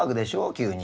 急に。